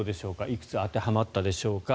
いくつ当てはまったでしょうか。